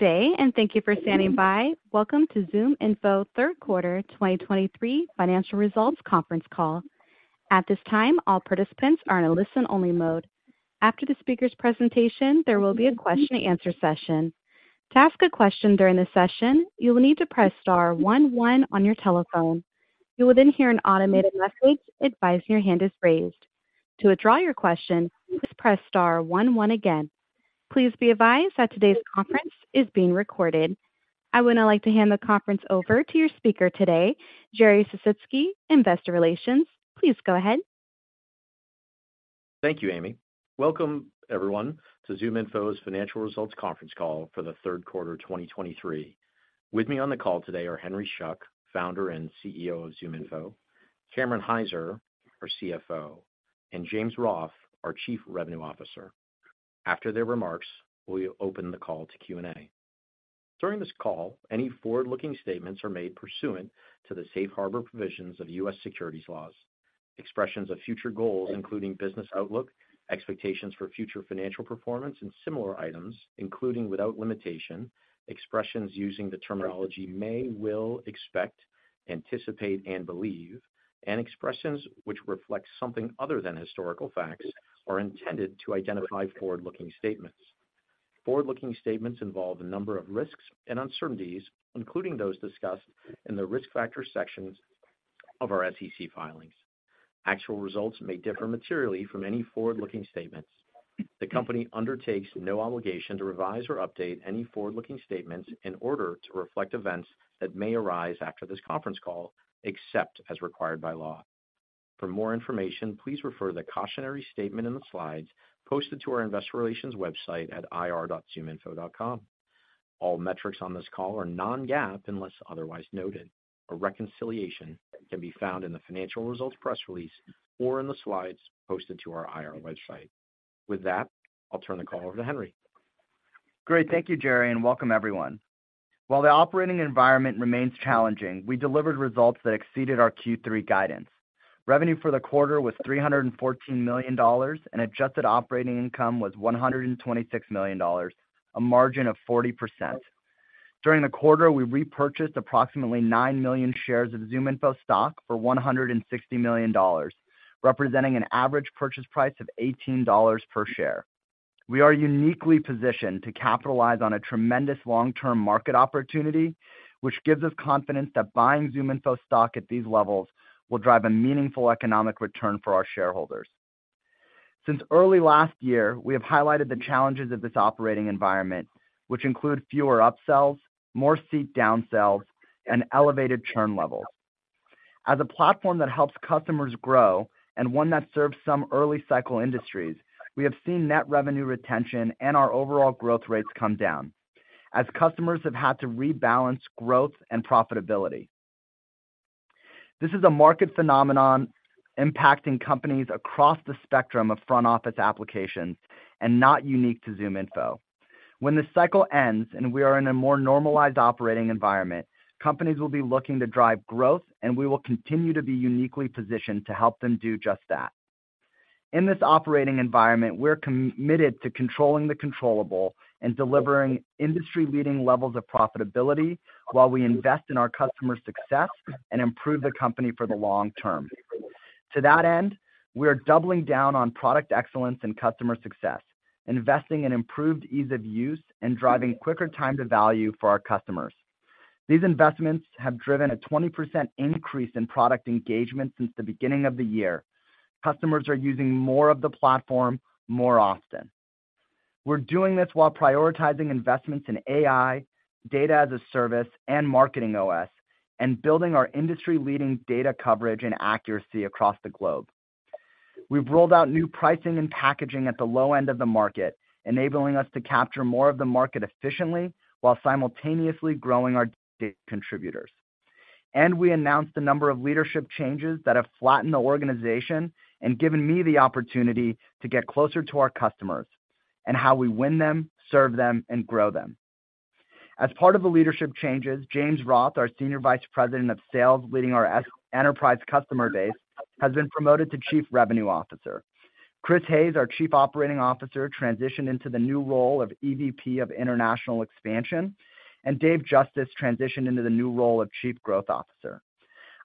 Good day, and thank you for standing by. Welcome to ZoomInfo Third Quarter 2023 Financial Results conference call. At this time, all participants are in a listen-only mode. After the speaker's presentation, there will be a question and answer session. To ask a question during the session, you will need to press star one one on your telephone. You will then hear an automated message advising your hand is raised. To withdraw your question, please press star one one again. Please be advised that today's conference is being recorded. I would now like to hand the conference over to your speaker today, Jerry Sisitsky, Investor Relations. Please go ahead. Thank you, Amy. Welcome everyone to ZoomInfo's Financial Results conference call for the third quarter 2023. With me on the call today are Henry Schuck, founder and CEO of ZoomInfo, Cameron Hyzer, our CFO, and James Roth, our Chief Revenue Officer. After their remarks, we will open the call to Q&A. During this call, any forward-looking statements are made pursuant to the safe harbor provisions of U.S. securities laws. Expressions of future goals, including business outlook, expectations for future financial performance, and similar items, including without limitation, expressions using the terminology may, will, expect, anticipate, and believe, and expressions which reflect something other than historical facts, are intended to identify forward-looking statements. Forward-looking statements involve a number of risks and uncertainties, including those discussed in the Risk Factors sections of our SEC filings. Actual results may differ materially from any forward-looking statements. The company undertakes no obligation to revise or update any forward-looking statements in order to reflect events that may arise after this conference call, except as required by law. For more information, please refer to the cautionary statement in the Slides posted to our investor relations website at ir.zoominfo.com. All metrics on this call are non-GAAP, unless otherwise noted. A reconciliation can be found in the financial results press release or in the Slides posted to our IR website. With that, I'll turn the call over to Henry. Great. Thank you, Jerry, and welcome everyone. While the operating environment remains challenging, we delivered results that exceeded our Q3 guidance. Revenue for the quarter was $314 million, and adjusted operating income was $126 million, a margin of 40%. During the quarter, we repurchased approximately 9 million shares of ZoomInfo stock for $160 million, representing an average purchase price of $18 per share. We are uniquely positioned to capitalize on a tremendous long-term market opportunity, which gives us confidence that buying ZoomInfo stock at these levels will drive a meaningful economic return for our shareholders. Since early last year, we have highlighted the challenges of this operating environment, which include fewer upsells, more seat downsells, and elevated churn levels. As a platform that helps customers grow and one that serves some early cycle industries, we have seen net revenue retention and our overall growth rates come down as customers have had to rebalance growth and profitability. This is a market phenomenon impacting companies across the spectrum of front-office applications and not unique to ZoomInfo. When this cycle ends and we are in a more normalized operating environment, companies will be looking to drive growth, and we will continue to be uniquely positioned to help them do just that. In this operating environment, we're committed to controlling the controllable and delivering industry-leading levels of profitability while we invest in our customer success and improve the company for the long term. To that end, we are doubling down on product excellence and customer success, investing in improved ease of use, and driving quicker time to value for our customers. These investments have driven a 20% increase in product engagement since the beginning of the year. Customers are using more of the platform more often. We're doing this while prioritizing investments in AI, Data as a Service, and MarketingOS, and building our industry-leading data coverage and accuracy across the globe. We've rolled out new pricing and packaging at the low end of the market, enabling us to capture more of the market efficiently while simultaneously growing our data contributors. And we announced a number of leadership changes that have flattened the organization and given me the opportunity to get closer to our customers and how we win them, serve them, and grow them. As part of the leadership changes, James Roth, our Senior Vice President of Sales, leading our enterprise customer base, has been promoted to Chief Revenue Officer. Chris Hays, our Chief Operating Officer, transitioned into the new role of EVP of International Expansion, and Dave Justice transitioned into the new role of Chief Growth Officer.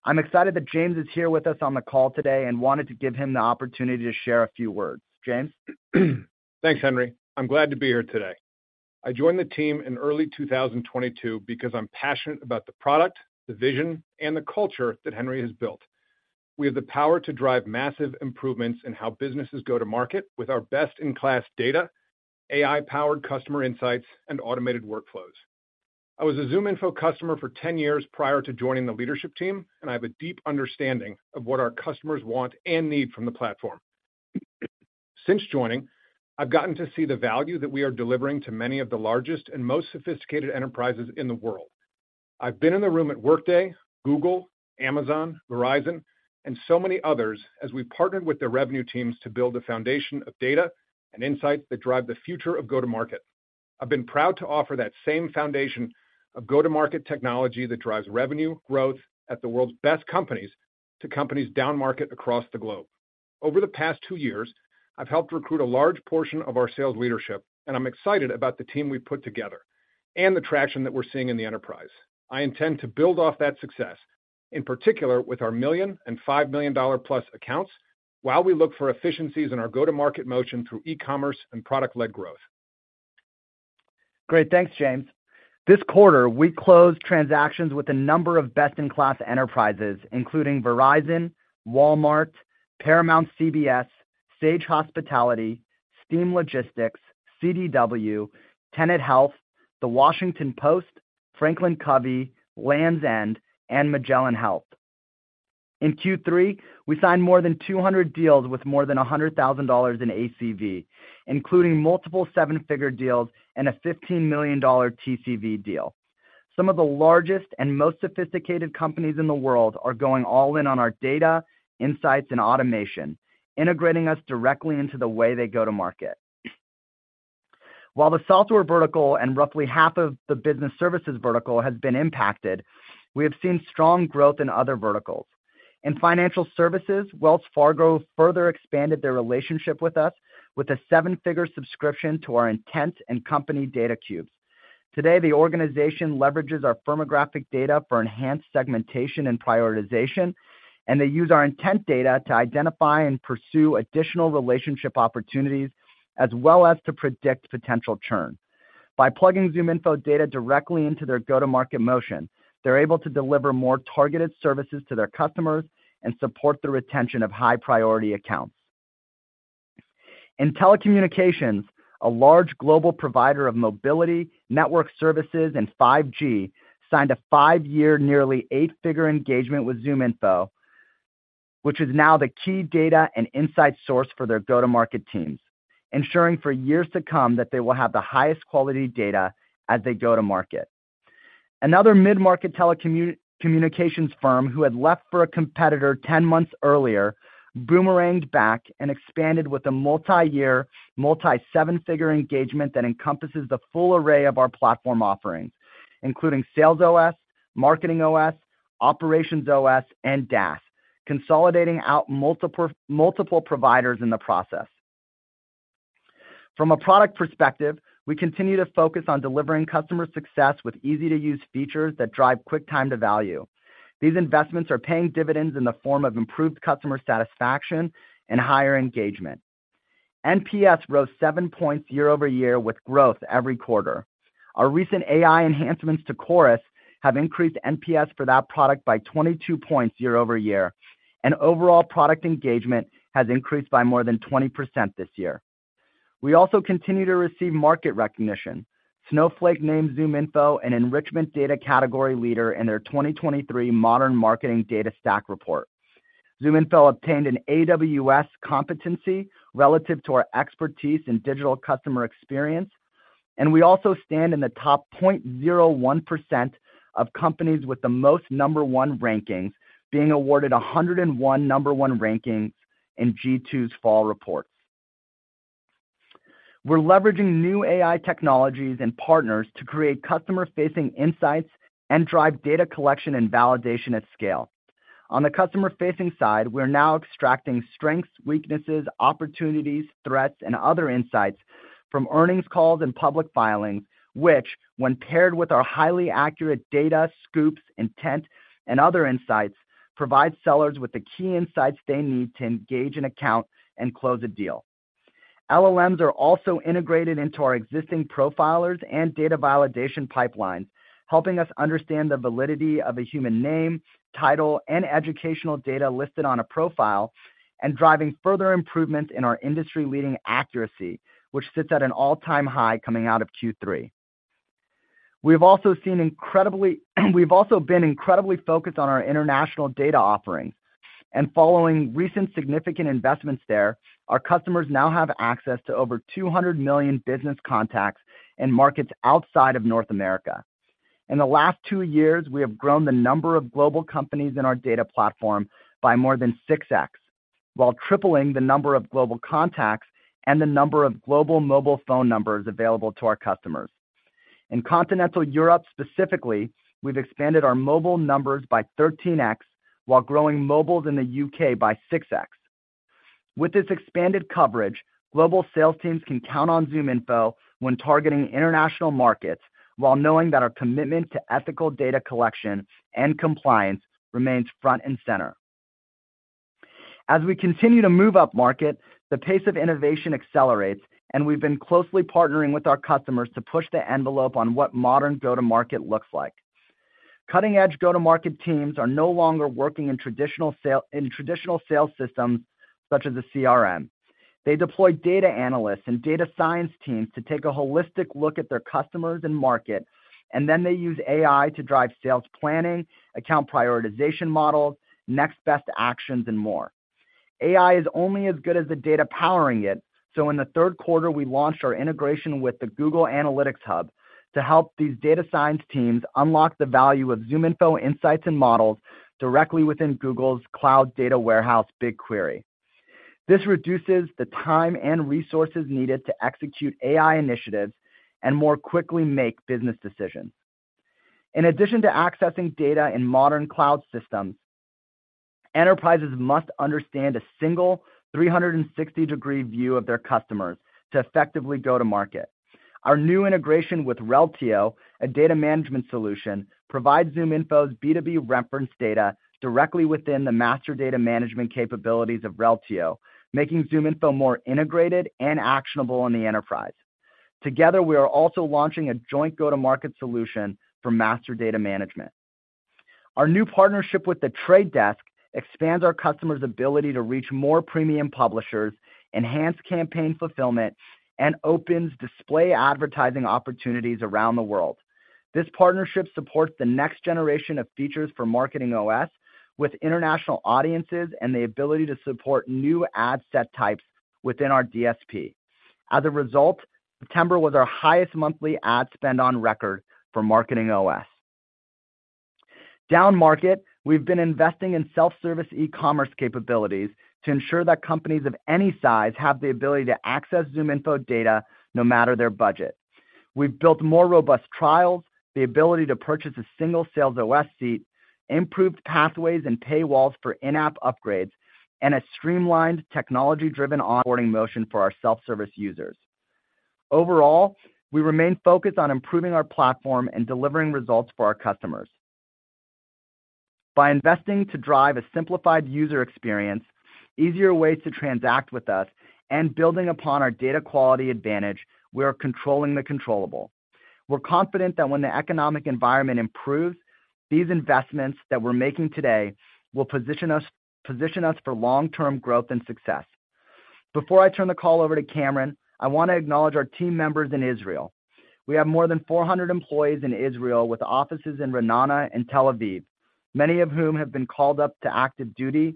I'm excited that James is here with us on the call today and wanted to give him the opportunity to share a few words. James? Thanks, Henry. I'm glad to be here today. I joined the team in early 2022 because I'm passionate about the product, the vision, and the culture that Henry has built. We have the power to drive massive improvements in how businesses go to market with our best-in-class data, AI-powered customer insights, and automated workflows. I was a ZoomInfo customer for 10 years prior to joining the leadership team, and I have a deep understanding of what our customers want and need from the platform. Since joining, I've gotten to see the value that we are delivering to many of the largest and most sophisticated enterprises in the world. I've been in the room at Workday, Google, Amazon, Verizon, and so many others as we partnered with their revenue teams to build a foundation of data and insights that drive the future of go-to-market. I've been proud to offer that same foundation of go-to-market technology that drives revenue growth at the world's best companies to companies downmarket across the globe. Over the past two years, I've helped recruit a large portion of our sales leadership, and I'm excited about the team we've put together and the traction that we're seeing in the enterprise. I intend to build off that success, in particular, with our $1 million and $5 million dollar-plus accounts, while we look for efficiencies in our go-to-market motion through e-commerce and product-led growth. Great. Thanks, James. This quarter, we closed transactions with a number of best-in-class enterprises, including Verizon, Walmart, Paramount CBS, Sage Hospitality, Steam Logistics, CDW, Tenet Health, The Washington Post, FranklinCovey, Lands' End, and Magellan Health. In Q3, we signed more than 200 deals with more than $100,000 in ACV, including multiple seven-figure deals and a $15 million TCV deal. Some of the largest and most sophisticated companies in the world are going all in on our data, insights, and automation, integrating us directly into the way they go to market. While the software vertical and roughly half of the business services vertical has been impacted, we have seen strong growth in other verticals. In financial services, Wells Fargo further expanded their relationship with us with a seven-figure subscription to our intent and company data cubes. Today, the organization leverages our firmographic data for enhanced segmentation and prioritization, and they use our intent data to identify and pursue additional relationship opportunities, as well as to predict potential churn. By plugging ZoomInfo data directly into their go-to-market motion, they're able to deliver more targeted services to their customers and support the retention of high-priority accounts. In telecommunications, a large global provider of mobility, network services, and 5G signed a 5-year, nearly $8-figure engagement with ZoomInfo, which is now the key data and insight source for their go-to-market teams, ensuring for years to come that they will have the highest quality data as they go to market. Another mid-market telecommunications firm who had left for a competitor 10 months earlier, boomeranged back and expanded with a multi-year, multi-seven-figure engagement that encompasses the full array of our platform offerings, including SalesOS, MarketingOS, OperationsOS, and DaaS, consolidating out multiple providers in the process. From a product perspective, we continue to focus on delivering customer success with easy-to-use features that drive quick time to value. These investments are paying dividends in the form of improved customer satisfaction and higher engagement. NPS rose 7 points year-over-year with growth every quarter. Our recent AI enhancements to Chorus have increased NPS for that product by 22 points year-over-year, and overall product engagement has increased by more than 20% this year. We also continue to receive market recognition. Snowflake named ZoomInfo an enrichment data category leader in their 2023 Modern Marketing Data Stack Report. ZoomInfo obtained an AWS competency relative to our expertise in digital customer experience, and we also stand in the top 0.01% of companies with the most number one rankings, being awarded 101 number one rankings in G2's Fall report. We're leveraging new AI technologies and partners to create customer-facing insights and drive data collection and validation at scale. On the customer-facing side, we're now extracting strengths, weaknesses, opportunities, threats, and other insights from earnings calls and public filings, which, when paired with our highly accurate data, scoops, intent, and other insights, provide sellers with the key insights they need to engage an account and close a deal. LLMs are also integrated into our existing profilers and data validation pipelines, helping us understand the validity of a human name, title, and educational data listed on a profile, and driving further improvements in our industry-leading accuracy, which sits at an all-time high coming out of Q3. We've also been incredibly focused on our international data offerings, and following recent significant investments there, our customers now have access to over 200 million business contacts in markets outside of North America. In the last two years, we have grown the number of global companies in our data platform by more than 6x, while tripling the number of global contacts and the number of global mobile phone numbers available to our customers. In continental Europe, specifically, we've expanded our mobile numbers by 13x, while growing mobile in the UK by 6x. With this expanded coverage, global sales teams can count on ZoomInfo when targeting international markets, while knowing that our commitment to ethical data collection and compliance remains front and center. As we continue to move upmarket, the pace of innovation accelerates, and we've been closely partnering with our customers to push the envelope on what modern go-to-market looks like. Cutting-edge go-to-market teams are no longer working in traditional sales systems such as a CRM. They deploy data analysts and data science teams to take a holistic look at their customers and market, and then they use AI to drive sales planning, account prioritization models, next best actions, and more. AI is only as good as the data powering it, so in the third quarter, we launched our integration with the Google Analytics Hub to help these data science teams unlock the value of ZoomInfo insights and models directly within Google's Cloud Data Warehouse BigQuery. This reduces the time and resources needed to execute AI initiatives and more quickly make business decisions. In addition to accessing data in modern cloud systems, enterprises must understand a single 360-degree view of their customers to effectively go to market. Our new integration with Reltio, a data management solution, provides ZoomInfo's B2B reference data directly within the master data management capabilities of Reltio, making ZoomInfo more integrated and actionable in the enterprise. Together, we are also launching a joint go-to-market solution for master data management. Our new partnership with The Trade Desk expands our customers' ability to reach more premium publishers, enhance campaign fulfillment, and opens display advertising opportunities around the world. This partnership supports the next generation of features for Marketing OS with international audiences and the ability to support new ad set types within our DSP. As a result, September was our highest monthly ad spend on record for Marketing OS. Downmarket, we've been investing in self-service e-commerce capabilities to ensure that companies of any size have the ability to access ZoomInfo data, no matter their budget. We've built more robust trials, the ability to purchase a single SalesOS seat, improved pathways and paywalls for in-app upgrades, and a streamlined, technology-driven onboarding motion for our self-service users. Overall, we remain focused on improving our platform and delivering results for our customers. By investing to drive a simplified user experience, easier ways to transact with us, and building upon our data quality advantage, we are controlling the controllable. We're confident that when the economic environment improves, these investments that we're making today will position us, position us for long-term growth and success. Before I turn the call over to Cameron, I want to acknowledge our team members in Israel. We have more than 400 employees in Israel, with offices in Ra'anana and Tel Aviv, many of whom have been called up to active duty,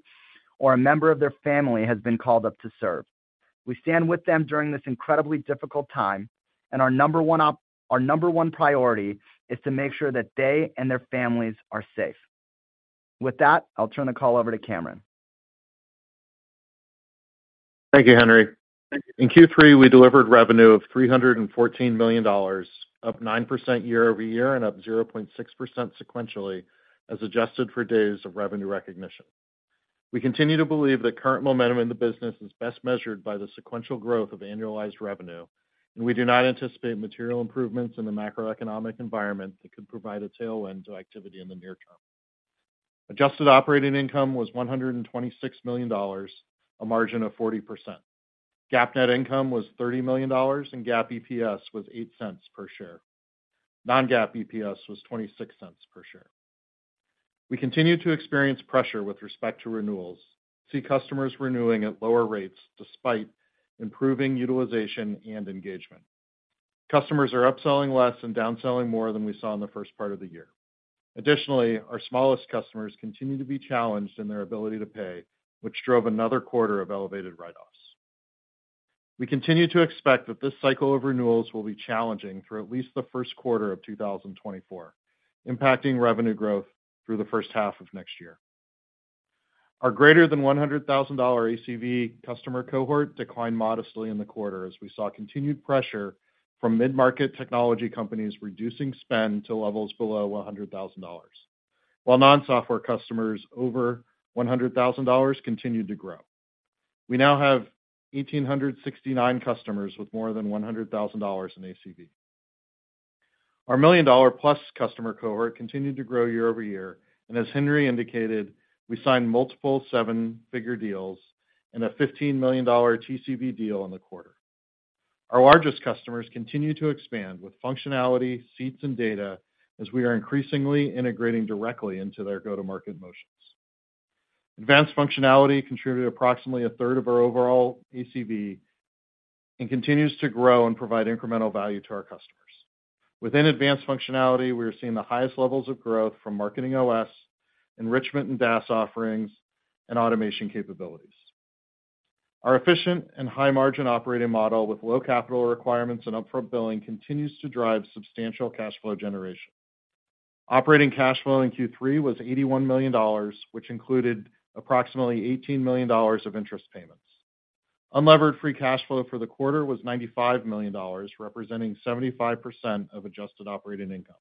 or a member of their family has been called up to serve. We stand with them during this incredibly difficult time, and our number one priority is to make sure that they and their families are safe. With that, I'll turn the call over to Cameron. Thank you, Henry. In Q3, we delivered revenue of $314 million, up 9% year-over-year and up 0.6% sequentially, as adjusted for days of revenue recognition. We continue to believe that current momentum in the business is best measured by the sequential growth of annualized revenue, and we do not anticipate material improvements in the macroeconomic environment that could provide a tailwind to activity in the near term. Adjusted operating income was $126 million, a margin of 40%. GAAP net income was $30 million, and GAAP EPS was $0.08 per share. Non-GAAP EPS was $0.26 per share. We continue to experience pressure with respect to renewals, see customers renewing at lower rates despite improving utilization and engagement. Customers are upselling less and downselling more than we saw in the first part of the year. Additionally, our smallest customers continue to be challenged in their ability to pay, which drove another quarter of elevated write-offs. We continue to expect that this cycle of renewals will be challenging for at least the first quarter of 2024, impacting revenue growth through the first half of next year. Our greater than $100,000 ACV customer cohort declined modestly in the quarter as we saw continued pressure from mid-market technology companies reducing spend to levels below $100,000, while non-software customers over $100,000 continued to grow. We now have 1,869 customers with more than $100,000 in ACV. Our million-dollar-plus customer cohort continued to grow year-over-year, and as Henry indicated, we signed multiple seven-figure deals and a $15 million TCV deal in the quarter. Our largest customers continue to expand with functionality, seats, and data as we are increasingly integrating directly into their go-to-market motions. Advanced functionality contributed approximately a third of our overall ACV and continues to grow and provide incremental value to our customers. Within advanced functionality, we are seeing the highest levels of growth from Marketing OS, enrichment and DaaS offerings, and automation capabilities. Our efficient and high-margin operating model, with low capital requirements and upfront billing, continues to drive substantial cash flow generation. Operating cash flow in Q3 was $81 million, which included approximately $18 million of interest payments. Unlevered free cash flow for the quarter was $95 million, representing 75% of adjusted operating income.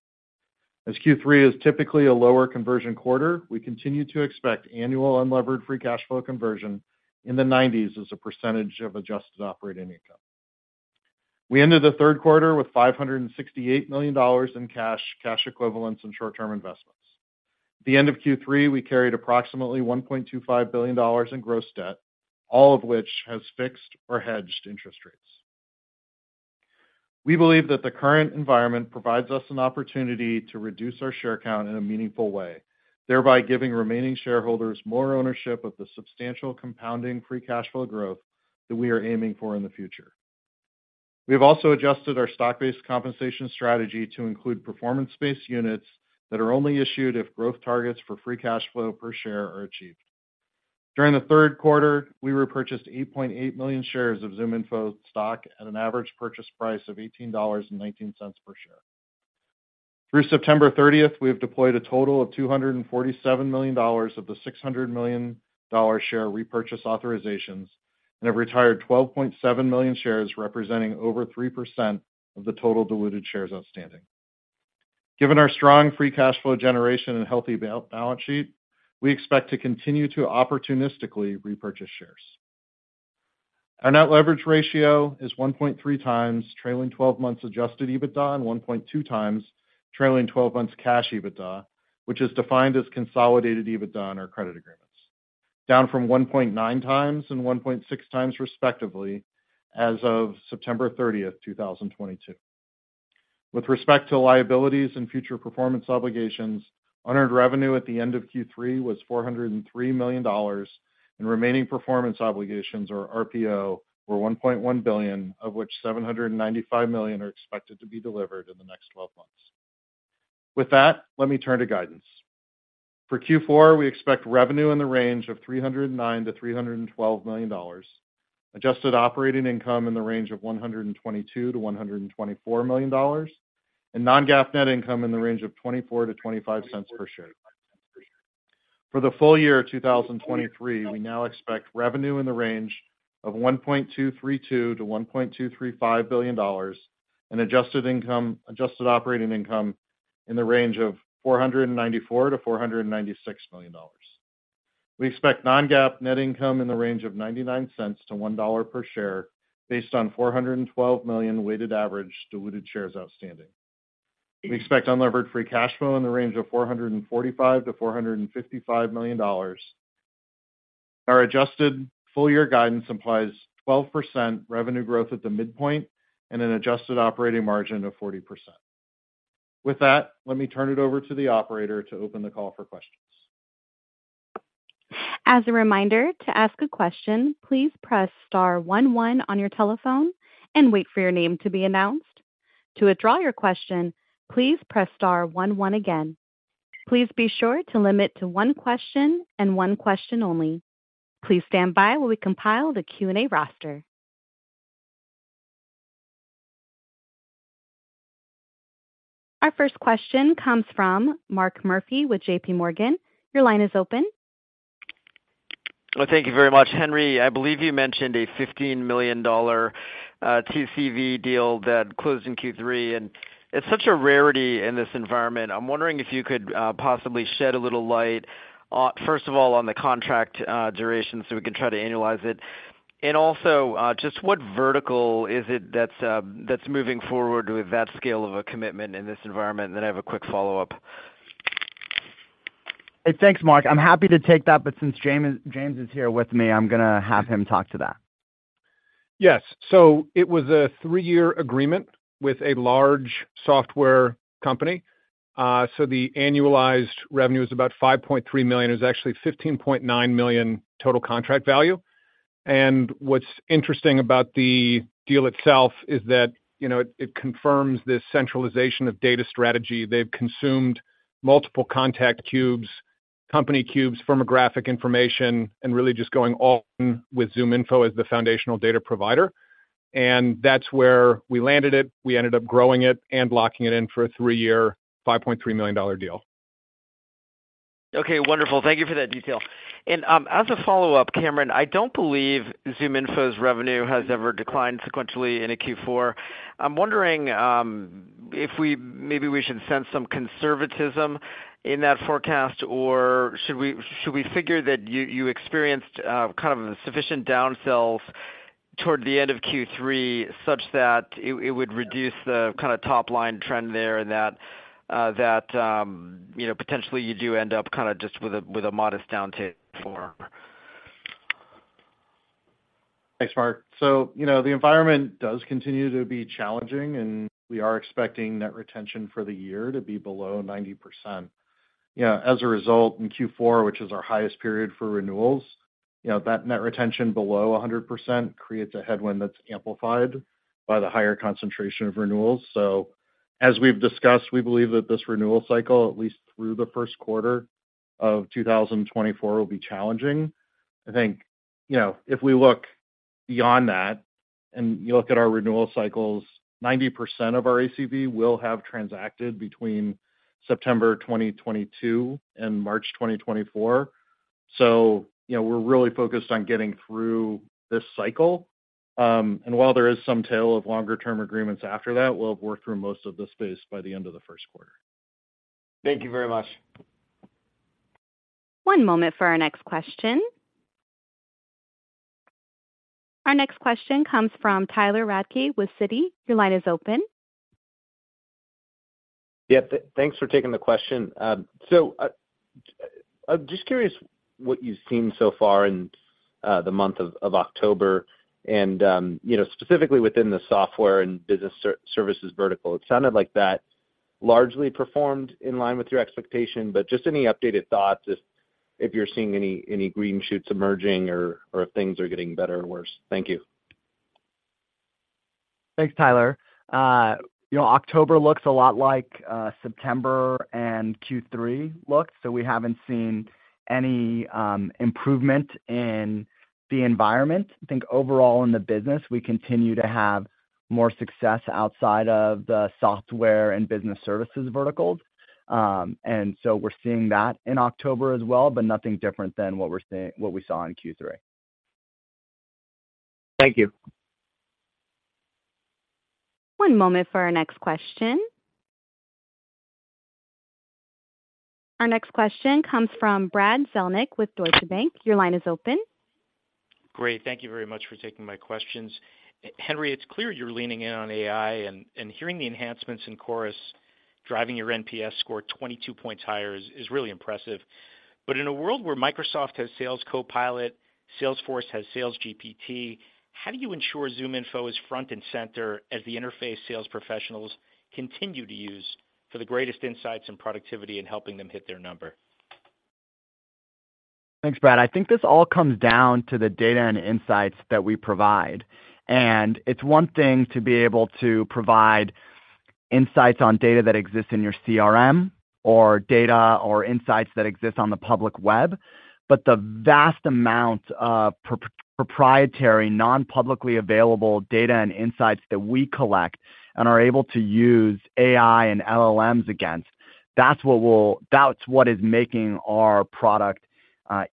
As Q3 is typically a lower conversion quarter, we continue to expect annual unlevered free cash flow conversion in the 90s as a percentage of adjusted operating income. We ended the third quarter with $568 million in cash, cash equivalents, and short-term investments. At the end of Q3, we carried approximately $1.25 billion in gross debt, all of which has fixed or hedged interest rates. We believe that the current environment provides us an opportunity to reduce our share count in a meaningful way, thereby giving remaining shareholders more ownership of the substantial compounding free cash flow growth that we are aiming for in the future. We have also adjusted our stock-based compensation strategy to include performance-based units that are only issued if growth targets for free cash flow per share are achieved. During the third quarter, we repurchased 8.8 million shares of ZoomInfo stock at an average purchase price of $18.19 per share. Through September 30, we have deployed a total of $247 million of the $600 million share repurchase authorizations and have retired 12.7 million shares, representing over 3% of the total diluted shares outstanding. Given our strong free cash flow generation and healthy balance sheet, we expect to continue to opportunistically repurchase shares. Our net leverage ratio is 1.3 times trailing twelve months adjusted EBITDA, and 1.2 times trailing twelve months cash EBITDA, which is defined as consolidated EBITDA on our credit agreements, down from 1.9 times and 1.6 times, respectively, as of September 30, 2022. With respect to liabilities and future performance obligations, unearned revenue at the end of Q3 was $403 million, and remaining performance obligations, or RPO, were $1.1 billion, of which $795 million are expected to be delivered in the next twelve months. With that, let me turn to guidance. For Q4, we expect revenue in the range of $309 million-$312 million, adjusted operating income in the range of $122 million-$124 million, and non-GAAP net income in the range of $0.24-$0.25 per share. For the full year 2023, we now expect revenue in the range of $1.232 billion-$1.235 billion, and adjusted operating income in the range of $494 million-$496 million. We expect non-GAAP net income in the range of $0.99-$1.00 per share, based on 412 million weighted average diluted shares outstanding. We expect unlevered free cash flow in the range of $445 million-$455 million. Our adjusted full-year guidance implies 12% revenue growth at the midpoint and an adjusted operating margin of 40%. With that, let me turn it over to the operator to open the call for questions. As a reminder, to ask a question, please press star one, one on your telephone and wait for your name to be announced. To withdraw your question, please press star one, one again. Please be sure to limit to one question and one question only. Please stand by while we compile the Q&A roster. Our first question comes from Mark Murphy with JP Morgan. Your line is open. Well, thank you very much. Henry, I believe you mentioned a $15 million TCV deal that closed in Q3, and it's such a rarity in this environment. I'm wondering if you could possibly shed a little light on, first of all, on the contract duration, so we can try to annualize it. And also, just what vertical is it that's that's moving forward with that scale of a commitment in this environment? And then I have a quick follow-up. Hey, thanks, Mark. I'm happy to take that, but since James, James is here with me, I'm gonna have him talk to that. Yes. So it was a three-year agreement with a large software company. So the annualized revenue is about $5.3 million. It was actually $15.9 million total contract value. And what's interesting about the deal itself is that, you know, it, it confirms this centralization of data strategy. They've consumed multiple contact cubes, company cubes, firmographic information, and really just going all in with ZoomInfo as the foundational data provider. And that's where we landed it. We ended up growing it and locking it in for a three-year, $5.3 million deal. Okay, wonderful. Thank you for that detail. And, as a follow-up, Cameron, I don't believe ZoomInfo's revenue has ever declined sequentially in a Q4. I'm wondering if we should sense some conservatism in that forecast, or should we, should we figure that you, you experienced kind of sufficient down sells toward the end of Q3, such that it, it would reduce the kinda top-line trend there and that, that, you know, potentially you do end up kinda just with a, with a modest downturn for? Thanks, Mark. So, you know, the environment does continue to be challenging, and we are expecting net retention for the year to be below 90%. You know, as a result, in Q4, which is our highest period for renewals, you know, that net retention below 100% creates a headwind that's amplified by the higher concentration of renewals. So as we've discussed, we believe that this renewal cycle, at least through the first quarter of 2024, will be challenging. I think, you know, if we look beyond that and you look at our renewal cycles, 90% of our ACV will have transacted between September 2022 and March 2024. So, you know, we're really focused on getting through this cycle. And while there is some tail of longer-term agreements after that, we'll have worked through most of the space by the end of the first quarter. Thank you very much. One moment for our next question. Our next question comes from Tyler Radke with Citi. Your line is open. Yeah, thanks for taking the question. So, I'm just curious what you've seen so far in the month of October and, you know, specifically within the software and business services vertical. It sounded like that largely performed in line with your expectation, but just any updated thoughts if you're seeing any green shoots emerging or if things are getting better or worse? Thank you. Thanks, Tyler. You know, October looks a lot like September and Q3 looks so we haven't seen any improvement in the environment. I think overall in the business, we continue to have... more success outside of the software and business services verticals. And so we're seeing that in October as well, but nothing different than what we're seeing- what we saw in Q3. Thank you. One moment for our next question. Our next question comes from Brad Zelnick with Deutsche Bank. Your line is open. Great, thank you very much for taking my questions. Henry, it's clear you're leaning in on AI, and hearing the enhancements in Chorus driving your NPS score 22 points higher is really impressive. But in a world where Microsoft has Sales Copilot, Salesforce has Sales GPT, how do you ensure ZoomInfo is front and center as the interface sales professionals continue to use for the greatest insights and productivity in helping them hit their number? Thanks, Brad. I think this all comes down to the data and insights that we provide, and it's one thing to be able to provide insights on data that exists in your CRM or data or insights that exist on the public web, but the vast amount of proprietary, non-publicly available data and insights that we collect and are able to use AI and LLMs against, that's what will, that's what is making our product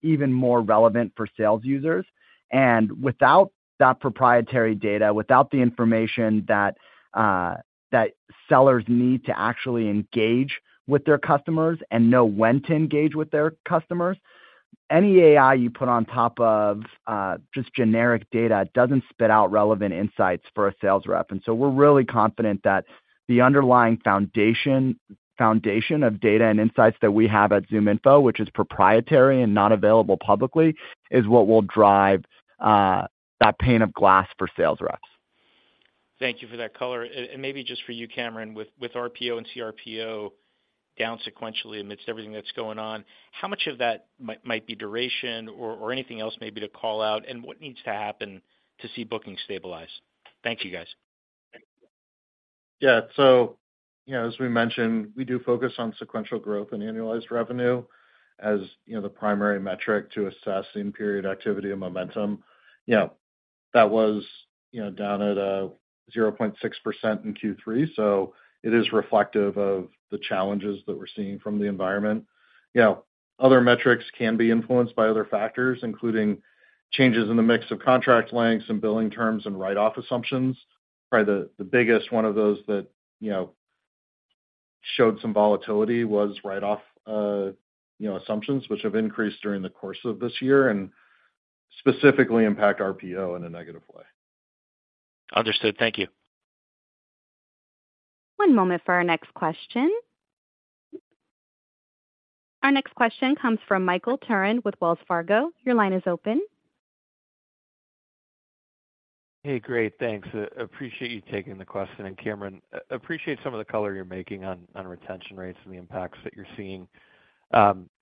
even more relevant for sales users. And without that proprietary data, without the information that that sellers need to actually engage with their customers and know when to engage with their customers, any AI you put on top of just generic data doesn't spit out relevant insights for a sales rep. And so we're really confident that the underlying foundation, foundation of data and insights that we have at ZoomInfo, which is proprietary and not available publicly, is what will drive that pane of glass for sales reps. Thank you for that color. And maybe just for you, Cameron, with RPO and CRPO down sequentially, amidst everything that's going on, how much of that might be duration or anything else maybe to call out, and what needs to happen to see booking stabilize? Thank you, guys. Yeah. So, you know, as we mentioned, we do focus on sequential growth and annualized revenue as, you know, the primary metric to assessing period activity and momentum. You know, that was, you know, down at 0.6% in Q3, so it is reflective of the challenges that we're seeing from the environment. You know, other metrics can be influenced by other factors, including changes in the mix of contract lengths and billing terms and write-off assumptions. Probably the biggest one of those that, you know, showed some volatility was write-off assumptions, which have increased during the course of this year and specifically impact RPO in a negative way. Understood. Thank you. One moment for our next question. Our next question comes from Michael Turrin with Wells Fargo. Your line is open. Hey, great. Thanks. Appreciate you taking the question. And Cameron, appreciate some of the color you're making on retention rates and the impacts that you're seeing.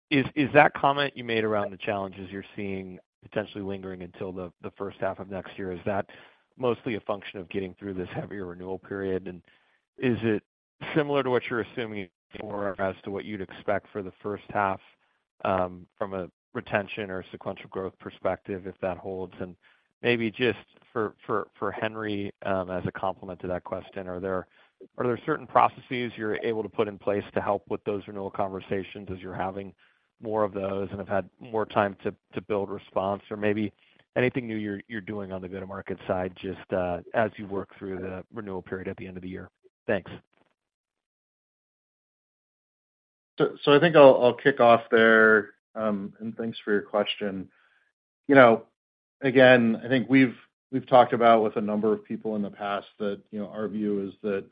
Is that comment you made around the challenges you're seeing potentially lingering until the first half of next year, is that mostly a function of getting through this heavier renewal period? And is it similar to what you're assuming for as to what you'd expect for the first half, from a retention or sequential growth perspective, if that holds? And maybe just for Henry, as a complement to that question, are there certain processes you're able to put in place to help with those renewal conversations as you're having more of those and have had more time to build response? Or maybe anything new you're doing on the go-to-market side, just as you work through the renewal period at the end of the year? Thanks. So, I think I'll kick off there. And thanks for your question. You know, again, I think we've talked about with a number of people in the past that, you know, our view is that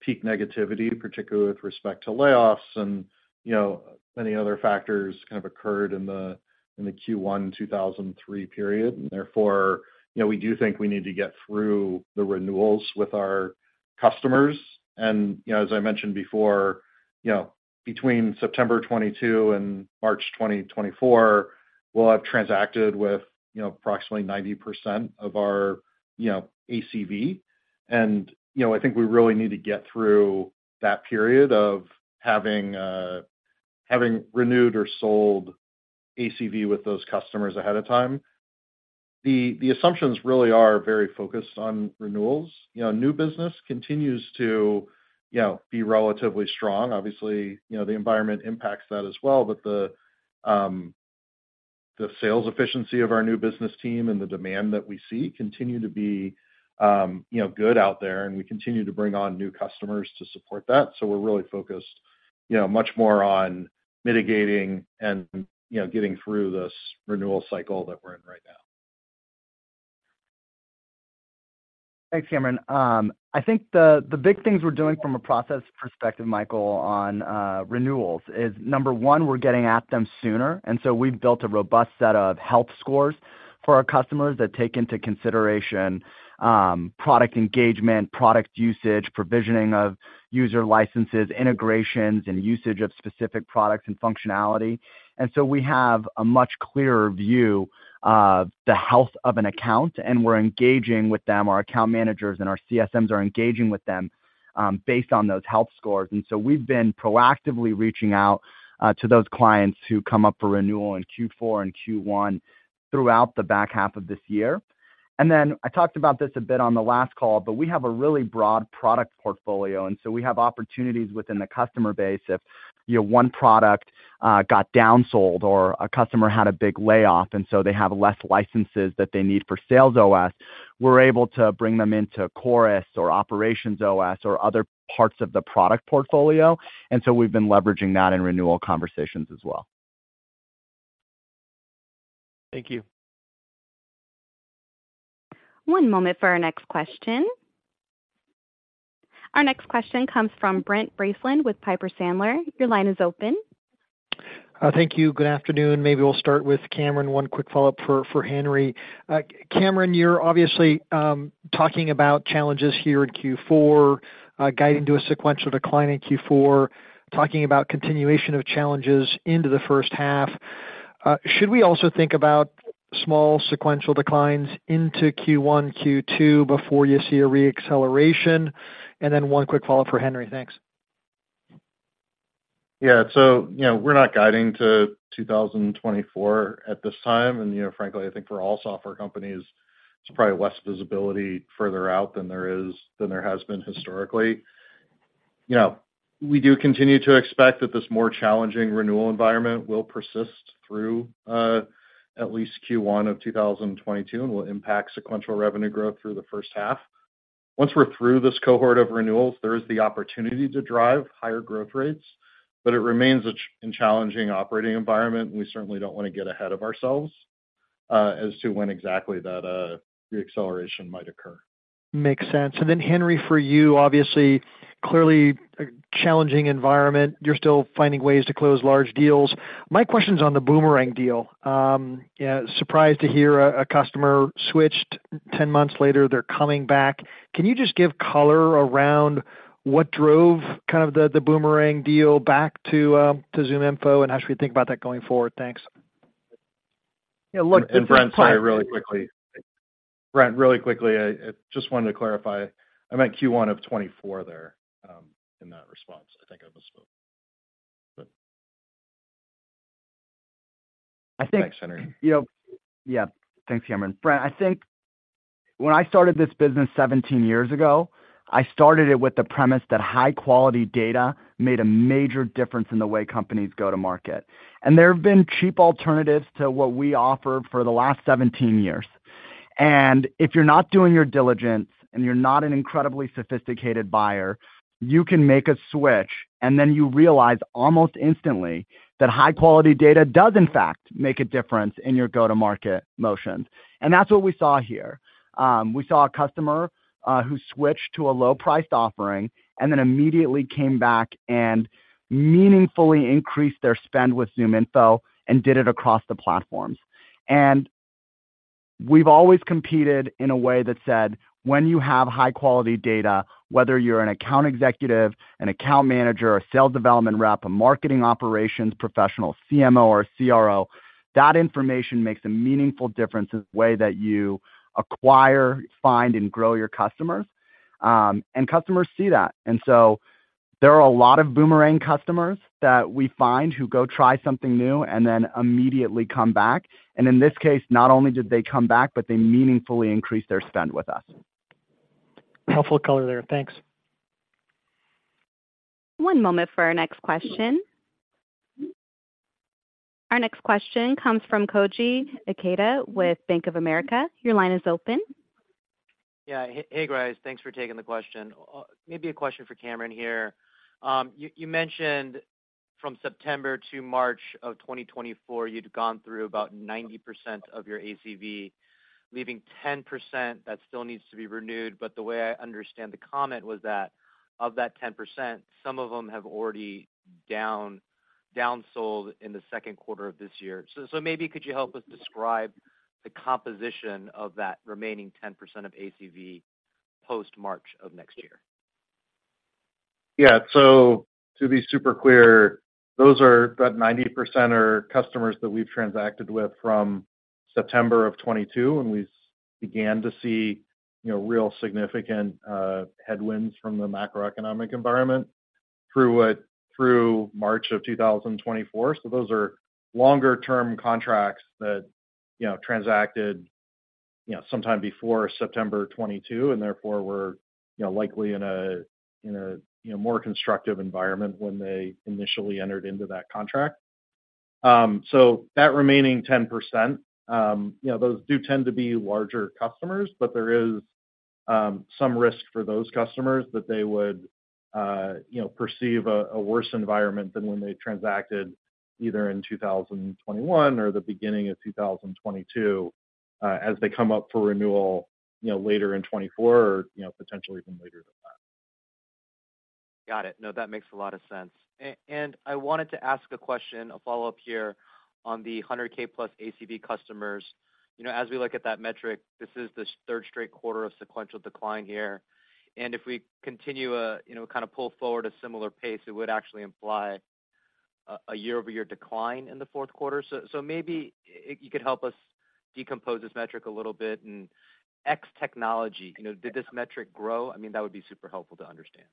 peak negativity, particularly with respect to layoffs and, you know, many other factors, kind of, occurred in the first quarter 2023 period. And therefore, you know, we do think we need to get through the renewals with our customers. And, you know, as I mentioned before, you know, between September 2022 and March 2024, we'll have transacted with, you know, approximately 90% of our, you know, ACV. And, you know, I think we really need to get through that period of having renewed or sold ACV with those customers ahead of time. The assumptions really are very focused on renewals. You know, new business continues to, you know, be relatively strong. Obviously, you know, the environment impacts that as well. But the, the sales efficiency of our new business team and the demand that we see continue to be, you know, good out there, and we continue to bring on new customers to support that. So we're really focused, you know, much more on mitigating and, you know, getting through this renewal cycle that we're in right now. Thanks, Cameron. I think the big things we're doing from a process perspective, Michael, on renewals is, number one, we're getting at them sooner, and so we've built a robust set of health scores for our customers that take into consideration product engagement, product usage, provisioning of user licenses, integrations, and usage of specific products and functionality. And so we have a much clearer view of the health of an account, and we're engaging with them. Our account managers and our CSMs are engaging with them based on those health scores. And so we've been proactively reaching out to those clients who come up for renewal in Q4 and first quarter throughout the back half of this year.... And then I talked about this a bit on the last call, but we have a really broad product portfolio, and so we have opportunities within the customer base. If, you know, one product got down sold or a customer had a big layoff, and so they have less licenses that they need for Sales OS, we're able to bring them into Chorus or OperationsOS or other parts of the product portfolio, and so we've been leveraging that in renewal conversations as well. Thank you. One moment for our next question. Our next question comes from Brent Bracelin with Piper Sandler. Your line is open. Thank you. Good afternoon. Maybe we'll start with Cameron. One quick follow-up for Henry. Cameron, you're obviously talking about challenges here in Q4, guiding to a sequential decline in Q4, talking about continuation of challenges into the first half. Should we also think about small sequential declines into first quarter, second quarter before you see a re-acceleration? And then one quick follow-up for Henry. Thanks. Yeah, so you know, we're not guiding to 2024 at this time, and, you know, frankly, I think for all software companies, it's probably less visibility further out than there is, than there has been historically. You know, we do continue to expect that this more challenging renewal environment will persist through at least first quarter of 2022, and will impact sequential revenue growth through the first half. Once we're through this cohort of renewals, there is the opportunity to drive higher growth rates, but it remains a challenging operating environment. We certainly don't want to get ahead of ourselves, as to when exactly that re-acceleration might occur. Makes sense. Then, Henry, for you, obviously, clearly a challenging environment. You're still finding ways to close large deals. My question is on the boomerang deal. Yeah, surprised to hear a customer switched. 10 months later, they're coming back. Can you just give color around what drove kind of the boomerang deal back to ZoomInfo, and how should we think about that going forward? Thanks. Yeah, look- Brent, sorry, really quickly. Brent, really quickly, I, I just wanted to clarify. I meant first quarter of 2024 there, in that response. I think I misspoke, but... I think- Thanks, Henry. You know, yeah. Thanks, Cameron. Brent, I think when I started this business 17 years ago, I started it with the premise that high-quality data made a major difference in the way companies go to market. And there have been cheap alternatives to what we offer for the last 17 years. And if you're not doing your diligence and you're not an incredibly sophisticated buyer, you can make a switch, and then you realize almost instantly that high-quality data does in fact make a difference in your go-to-market motions. And that's what we saw here. We saw a customer who switched to a low-priced offering and then immediately came back and meaningfully increased their spend with ZoomInfo and did it across the platforms. We've always competed in a way that said, when you have high-quality data, whether you're an account executive, an account manager, a sales development rep, a marketing operations professional, CMO or CRO, that information makes a meaningful difference in the way that you acquire, find, and grow your customers. Customers see that. So there are a lot of boomerang customers that we find who go try something new and then immediately come back. In this case, not only did they come back, but they meaningfully increased their spend with us. Helpful color there. Thanks. One moment for our next question. Our next question comes from Koji Ikeda with Bank of America. Your line is open. Yeah. Hey, guys, thanks for taking the question. Maybe a question for Cameron here. You mentioned from September to March 2024, you'd gone through about 90% of your ACV, leaving 10% that still needs to be renewed. But the way I understand the comment was that of that 10%, some of them have already down sold in the second quarter of this year. So maybe could you help us describe the composition of that remaining 10% of ACV post-March of next year? Yeah. So to be super clear, those are... That 90% are customers that we've transacted with from September of 2022, and we began to see, you know, real significant headwinds from the macroeconomic environment through through March of 2024. So those are longer-term contracts that, you know, transacted, you know, sometime before September 2022, and therefore, were, you know, likely in a, in a, you know, more constructive environment when they initially entered into that contract. So that remaining 10%, you know, those do tend to be larger customers, but there is some risk for those customers that they would, you know, perceive a worse environment than when they transacted, either in 2021 or the beginning of 2022, as they come up for renewal, you know, later in 2024, or, you know, potentially even later than that. Got it. No, that makes a lot of sense. And I wanted to ask a question, a follow-up here on the 100K plus ACV customers. You know, as we look at that metric, this is the third straight quarter of sequential decline here, and if we continue, you know, kind of pull forward a similar pace, it would actually imply a year-over-year decline in the fourth quarter. So maybe you could help us decompose this metric a little bit and X technology, you know, did this metric grow? I mean, that would be super helpful to understand. ...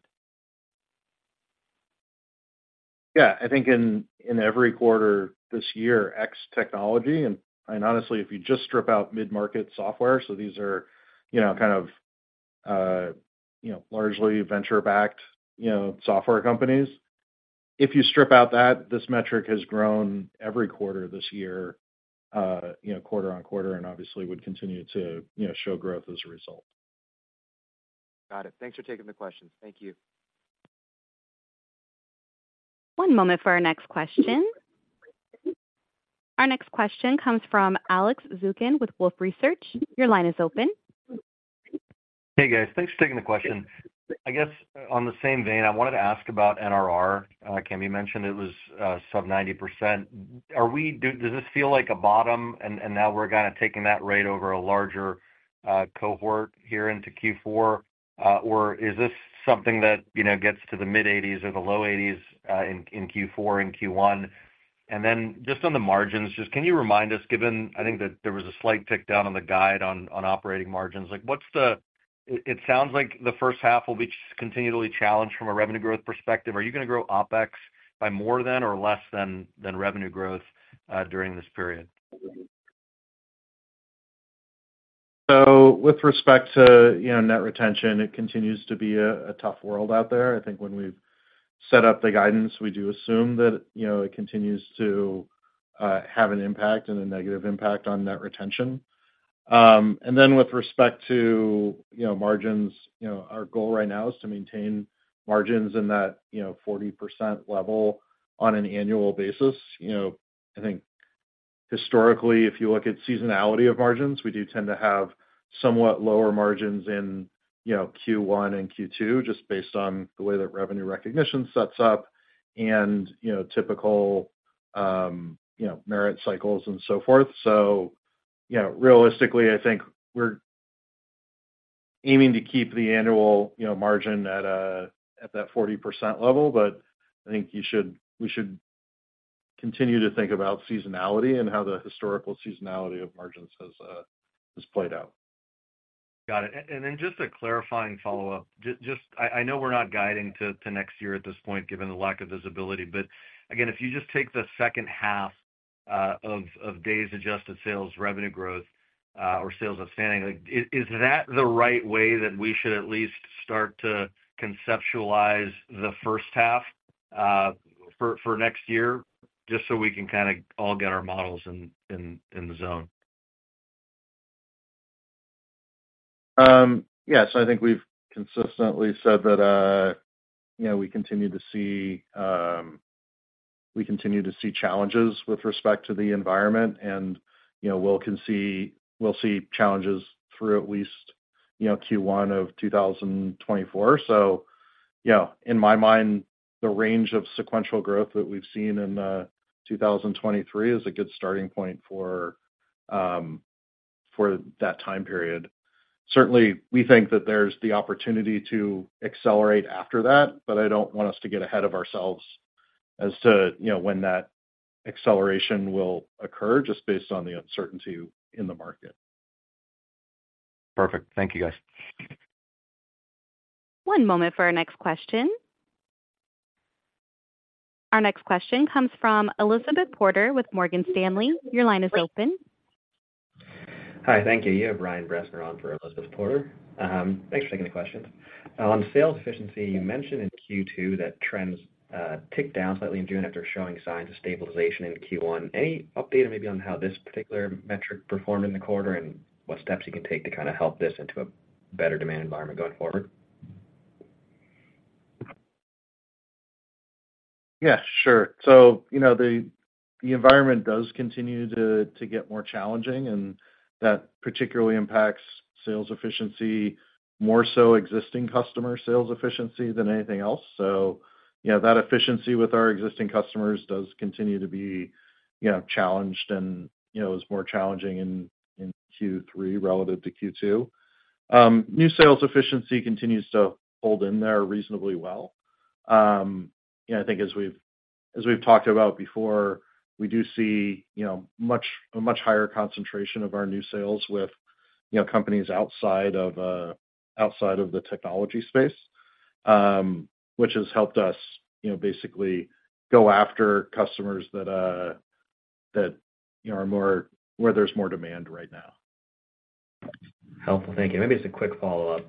Yeah, I think in every quarter this year, ex technology, and honestly, if you just strip out mid-market software, so these are, you know, kind of, you know, largely venture-backed, you know, software companies. If you strip out that, this metric has grown every quarter this year, you know, quarter-over-quarter, and obviously would continue to, you know, show growth as a result. Got it. Thanks for taking the question. Thank you. One moment for our next question. Our next question comes from Alex Zukin with Wolfe Research. Your line is open. Hey, guys. Thanks for taking the question. I guess on the same vein, I wanted to ask about NRR. Cammy mentioned it was sub 90%. Are we—does this feel like a bottom, and now we're kind of taking that rate over a larger cohort here into Q4? Or is this something that, you know, gets to the mid-80s% or the low 80s%, in Q4 and first quarter? And then just on the margins, just can you remind us, given I think that there was a slight tick down on the guide on operating margins, like, what's the... It sounds like the first half will be continually challenged from a revenue growth perspective. Are you gonna grow OpEx by more than or less than revenue growth during this period? So with respect to, you know, net retention, it continues to be a tough world out there. I think when we've set up the guidance, we do assume that, you know, it continues to have an impact and a negative impact on net retention. And then with respect to, you know, margins, you know, our goal right now is to maintain margins in that, you know, 40% level on an annual basis. You know, I think historically, if you look at seasonality of margins, we do tend to have somewhat lower margins in, you know, first quarter and second quarter, just based on the way that revenue recognition sets up and, you know, typical, you know, merit cycles and so forth. So, you know, realistically, I think we're aiming to keep the annual, you know, margin at that 40% level. But I think you should, we should continue to think about seasonality and how the historical seasonality of margins has played out. Got it. And then just a clarifying follow-up. Just, I know we're not guiding to next year at this point, given the lack of visibility, but again, if you just take the second half of days-adjusted sales revenue growth or sales outstanding, like, is that the right way that we should at least start to conceptualize the first half for next year? Just so we can kinda all get our models in the zone. Yes, I think we've consistently said that, you know, we continue to see, we continue to see challenges with respect to the environment, and, you know, we'll see challenges through at least, you know, first quarter of 2024. So, you know, in my mind, the range of sequential growth that we've seen in 2023 is a good starting point for that time period. Certainly, we think that there's the opportunity to accelerate after that, but I don't want us to get ahead of ourselves as to, you know, when that acceleration will occur, just based on the uncertainty in the market. Perfect. Thank you, guys. One moment for our next question. Our next question comes from Elizabeth Porter with Morgan Stanley. Your line is open. Hi, thank you. You have Ryan Bresnahan for Elizabeth Porter. Thanks for taking the question. On sales efficiency, you mentioned in second quarter that trends ticked down slightly in June after showing signs of stabilization in first quarter. Any update maybe on how this particular metric performed in the quarter, and what steps you can take to kind of help this into a better demand environment going forward? Yeah, sure. So, you know, the environment does continue to get more challenging, and that particularly impacts sales efficiency, more so existing customer sales efficiency than anything else. So, you know, that efficiency with our existing customers does continue to be, you know, challenged and, you know, is more challenging in Q3 relative to second quarter. New sales efficiency continues to hold in there reasonably well. And I think as we've talked about before, we do see, you know, a much higher concentration of our new sales with, you know, companies outside of the technology space, which has helped us, you know, basically go after customers that, you know, are more, where there's more demand right now. Helpful. Thank you. Maybe just a quick follow-up.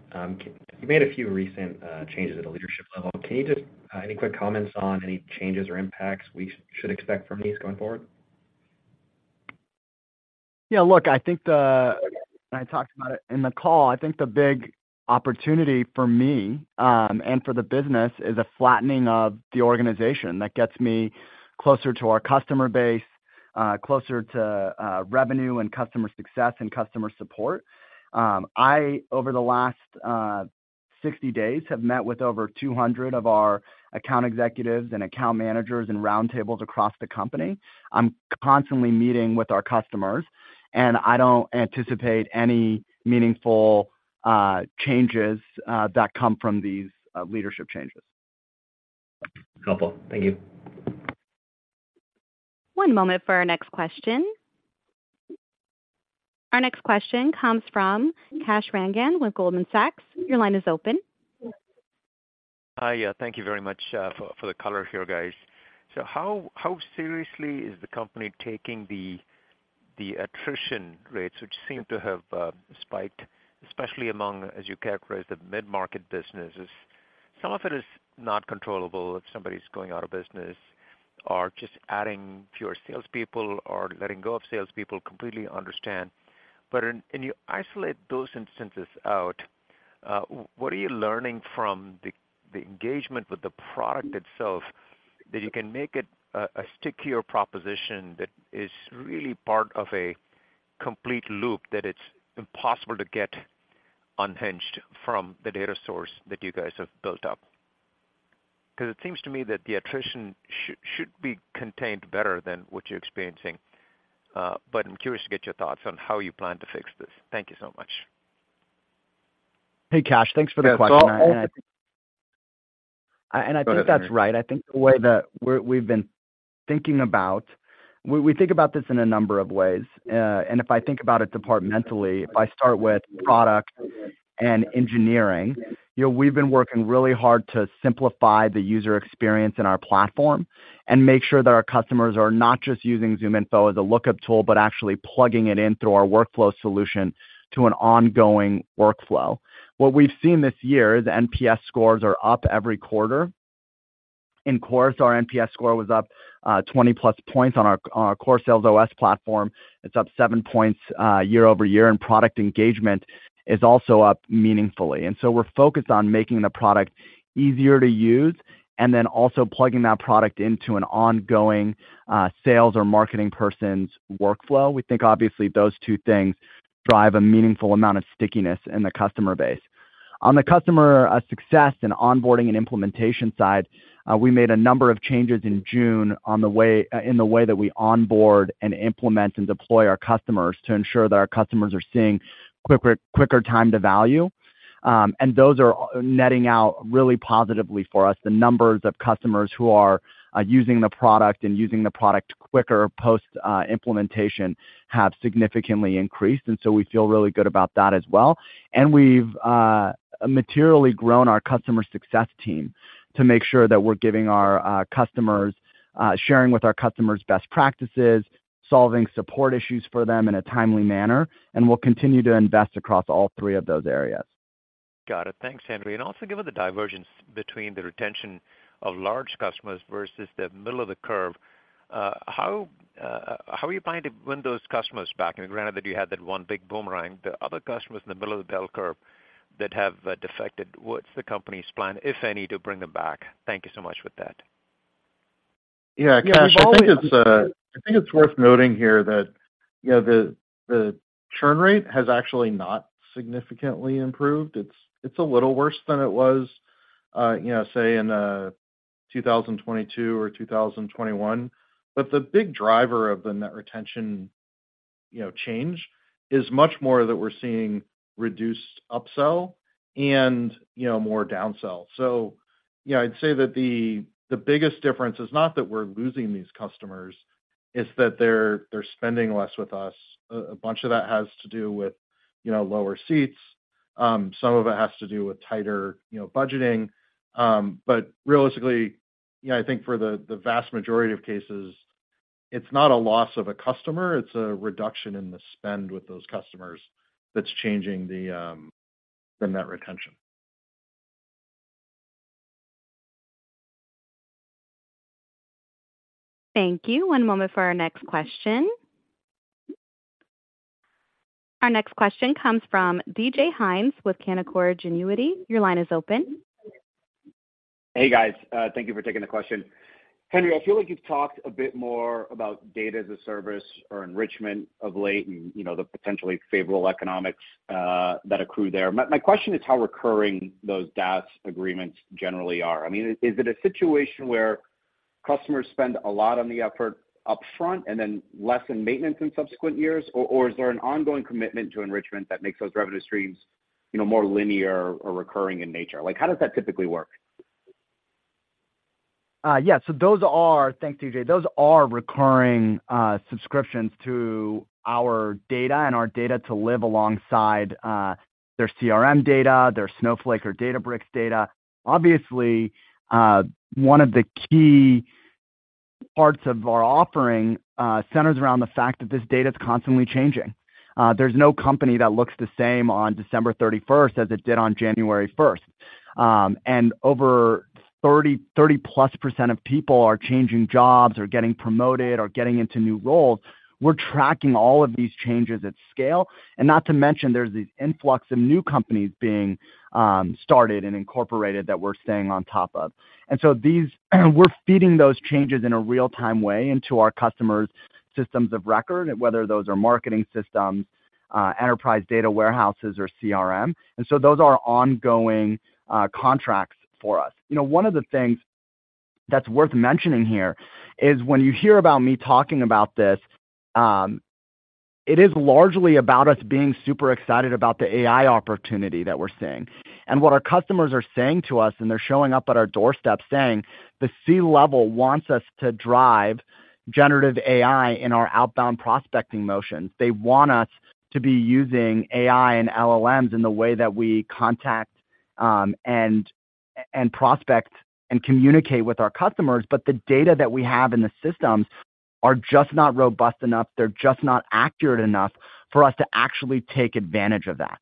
You made a few recent changes at the leadership level. Can you just any quick comments on any changes or impacts we should expect from these going forward? Yeah, look, I talked about it in the call. I think the big opportunity for me and for the business is a flattening of the organization that gets me closer to our customer base, closer to revenue and customer success and customer support. I, over the last 60 days, have met with over 200 of our account executives and account managers and roundtables across the company. I'm constantly meeting with our customers, and I don't anticipate any meaningful changes that come from these leadership changes. Helpful. Thank you. One moment for our next question. Our next question comes from Kash Rangan with Goldman Sachs. Your line is open. Hi. Thank you very much for the color here, guys. So how seriously is the company taking the attrition rates, which seem to have spiked, especially among, as you characterize, the mid-market businesses? Some of it is not controllable, if somebody's going out of business or just adding fewer salespeople or letting go of salespeople, completely understand. But when you isolate those instances out, what are you learning from the engagement with the product itself, that you can make it a stickier proposition that is really part of a complete loop, that it's impossible to get unhinged from the data source that you guys have built up? 'Cause it seems to me that the attrition should be contained better than what you're experiencing. But I'm curious to get your thoughts on how you plan to fix this. Thank you so much. Hey, Kash, thanks for the question. Yeah, so- I think that's right. I think the way that we've been thinking about. We think about this in a number of ways. And if I think about it departmentally, if I start with product and engineering, you know, we've been working really hard to simplify the user experience in our platform and make sure that our customers are not just using ZoomInfo as a lookup tool, but actually plugging it in through our workflow solution to an ongoing workflow. What we've seen this year, the NPS scores are up every quarter. In Chorus, our NPS score was up 20+ points on our core Sales OS platform. It's up 7 points year-over-year, and product engagement is also up meaningfully. And so we're focused on making the product easier to use, and then also plugging that product into an ongoing sales or marketing person's workflow. We think obviously those two things drive a meaningful amount of stickiness in the customer base. On the customer success and onboarding and implementation side, we made a number of changes in June in the way that we onboard and implement and deploy our customers, to ensure that our customers are seeing quicker, quicker time to value. And those are netting out really positively for us. The numbers of customers who are using the product and using the product quicker, post implementation, have significantly increased, and so we feel really good about that as well. And we've materially grown our customer success team to make sure that we're giving our customers... sharing with our customers best practices, solving support issues for them in a timely manner, and we'll continue to invest across all three of those areas. Got it. Thanks, Henry. And also, given the divergence between the retention of large customers versus the middle of the curve, how, how are you planning to win those customers back? And granted that you had that one big boomerang, the other customers in the middle of the bell curve that have, defected, what's the company's plan, if any, to bring them back? Thank you so much with that. Yeah, Kash, I think it's, I think it's worth noting here that, you know, the, the churn rate has actually not significantly improved. It's, it's a little worse than it was, you know, say, in, 2022 or 2021. But the big driver of the net retention, you know, change, is much more that we're seeing reduced upsell and, you know, more downsell. So, you know, I'd say that the, the biggest difference is not that we're losing these customers, it's that they're, they're spending less with us. A bunch of that has to do with, you know, lower seats. Some of it has to do with tighter, you know, budgeting. But realistically, you know, I think for the vast majority of cases, it's not a loss of a customer, it's a reduction in the spend with those customers that's changing the net retention. Thank you. One moment for our next question. Our next question comes from DJ Hynes with Canaccord Genuity. Your line is open. Hey, guys. Thank you for taking the question. Henry, I feel like you've talked a bit more about data as a service or enrichment of late and, you know, the potentially favorable economics that accrue there. My question is how recurring those DaaS agreements generally are. I mean, is it a situation where customers spend a lot on the effort upfront and then less in maintenance in subsequent years? Or is there an ongoing commitment to enrichment that makes those revenue streams, you know, more linear or recurring in nature? Like, how does that typically work? Yeah, so those are—thanks, DJ. Those are recurring subscriptions to our data and our data to live alongside their CRM data, their Snowflake or Databricks data. Obviously, one of the key parts of our offering centers around the fact that this data is constantly changing. There's no company that looks the same on December 31st as it did on January 1st. And over 30, 30+% of people are changing jobs or getting promoted or getting into new roles. We're tracking all of these changes at scale. And not to mention, there's this influx of new companies being started and incorporated that we're staying on top of. And so these, we're feeding those changes in a real-time way into our customers' systems of record, whether those are marketing systems, enterprise data warehouses, or CRM. Those are ongoing contracts for us. You know, one of the things that's worth mentioning here is when you hear about me talking about this, it is largely about us being super excited about the AI opportunity that we're seeing. And what our customers are saying to us, and they're showing up at our doorstep saying, "The C-level wants us to drive generative AI in our outbound prospecting motions. They want us to be using AI and LLMs in the way that we contact and prospect and communicate with our customers, but the data that we have in the systems are just not robust enough. They're just not accurate enough for us to actually take advantage of that.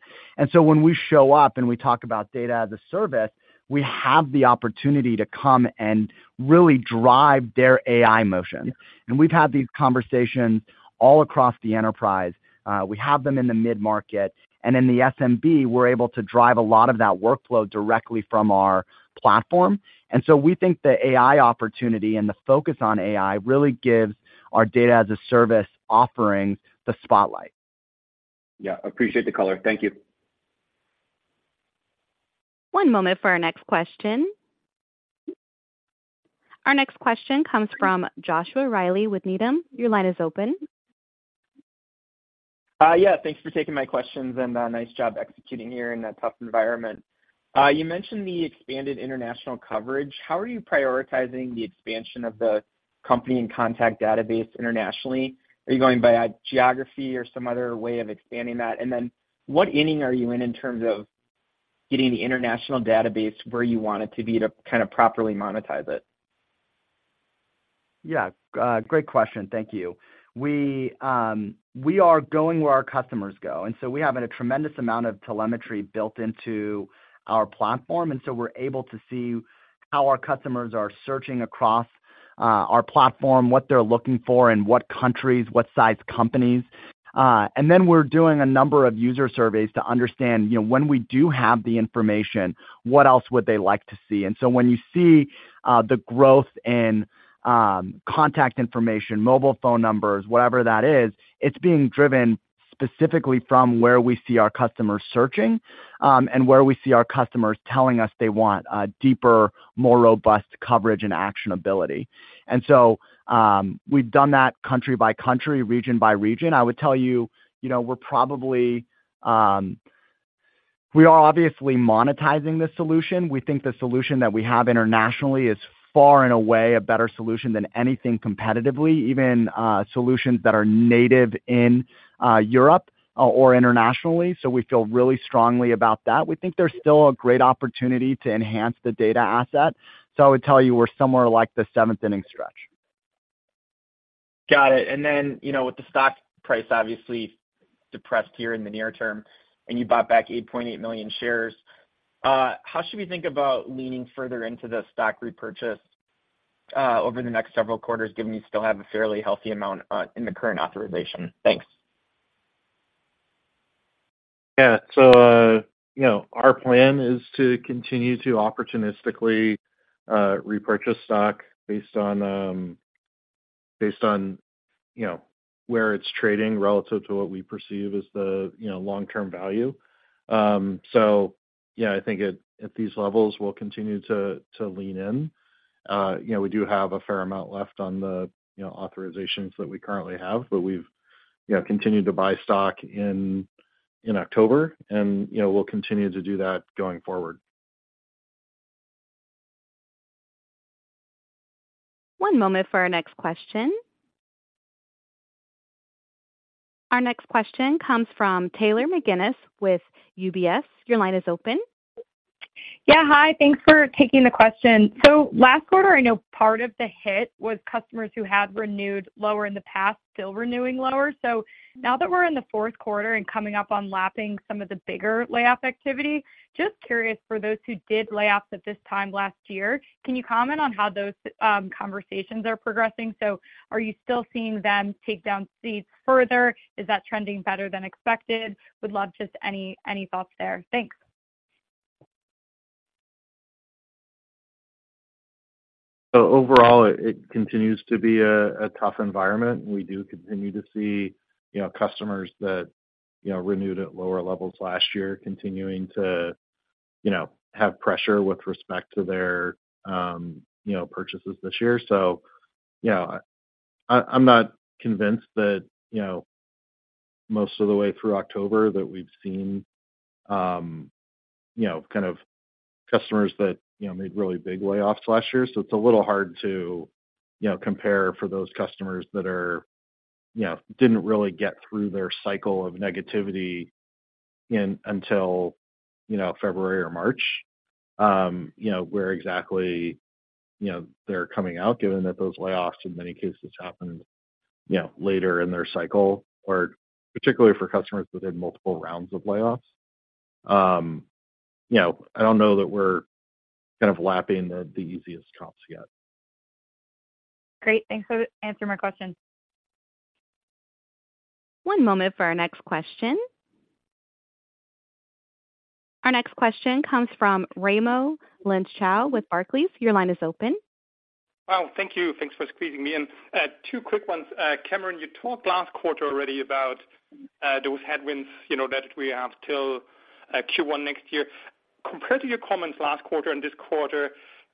So when we show up, and we talk about data as a service, we have the opportunity to come and really drive their AI motion. We've had these conversations all across the enterprise. We have them in the mid-market, and in the SMB, we're able to drive a lot of that workflow directly from our platform. So we think the AI opportunity and the focus on AI really gives our Data as a Service offering the spotlight. Yeah, appreciate the color. Thank you. One moment for our next question. Our next question comes from Joshua Riley with Needham. Your line is open. Yeah, thanks for taking my questions, and, nice job executing here in that tough environment. You mentioned the expanded international coverage. How are you prioritizing the expansion of the company and contact database internationally? Are you going by geography or some other way of expanding that? And then what inning are you in, in terms of getting the international database where you want it to be to kind of properly monetize it? Yeah, great question. Thank you. We, we are going where our customers go, and so we have a tremendous amount of telemetry built into our platform, and so we're able to see how our customers are searching across, our platform, what they're looking for, in what countries, what size companies. And then we're doing a number of user surveys to understand, you know, when we do have the information, what else would they like to see? And so when you see, the growth in, contact information, mobile phone numbers, whatever that is, it's being driven specifically from where we see our customers searching, and where we see our customers telling us they want a deeper, more robust coverage and actionability. And so, we've done that country by country, region by region. I would tell you, you know, we're probably... We are obviously monetizing the solution. We think the solution that we have internationally is far and away a better solution than anything competitively, even solutions that are native in Europe or internationally. So we feel really strongly about that. We think there's still a great opportunity to enhance the data asset. So I would tell you, we're somewhere like the seventh inning stretch. Got it. And then, you know, with the stock price obviously depressed here in the near term, and you bought back 8.8 million shares, how should we think about leaning further into the stock repurchase, over the next several quarters, given you still have a fairly healthy amount, in the current authorization? Thanks. Yeah. So, you know, our plan is to continue to opportunistically repurchase stock based on, you know, where it's trading relative to what we perceive as the, you know, long-term value. So, yeah, I think at these levels, we'll continue to lean in. You know, we do have a fair amount left on the, you know, authorizations that we currently have, but we've, you know, continued to buy stock in October, and, you know, we'll continue to do that going forward. One moment for our next question. Our next question comes from Taylor McGinnis with UBS. Your line is open. Yeah, hi. Thanks for taking the question. So last quarter, I know part of the hit was customers who had renewed lower in the past, still renewing lower. So now that we're in the fourth quarter and coming up on lapping some of the bigger layoff activity, just curious, for those who did layoffs at this time last year, can you comment on how those conversations are progressing? So are you still seeing them take down seats further? Is that trending better than expected? Would love just any, any thoughts there. Thanks. So overall, it continues to be a tough environment. We do continue to see, you know, customers that, you know, renewed at lower levels last year, continuing to, you know, have pressure with respect to their, you know, purchases this year. So, you know, I, I'm not convinced that, you know, most of the way through October, that we've seen, you know, kind of customers that, you know, made really big layoffs last year. So it's a little hard to, you know, compare for those customers that are, you know, didn't really get through their cycle of negativity in until, you know, February or March. You know, where exactly, you know, they're coming out, given that those layoffs, in many cases, happened, you know, later in their cycle, or particularly for customers within multiple rounds of layoffs. You know, I don't know that we're kind of lapping the easiest drops yet. Great. Thanks for answering my question. One moment for our next question. Our next question comes from Raimo Lenschow with Barclays. Your line is open. Well, thank you. Thanks for squeezing me in. Two quick ones. Cameron, you talked last quarter already about those headwinds, you know, that we have till first quarter next year. Compared to your comments last quarter and this quarter,